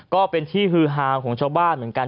ก็เป็นที่ฮือฮาของชาวบ้านเหมือนกัน